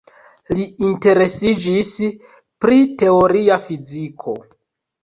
Li interesiĝis pri teoria fiziko.